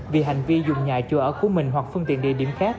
vì hành vi dùng nhà chùa ở của mình hoặc phương tiện địa điểm khác